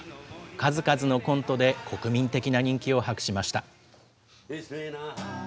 数々のコントで国民的な人気を博しました。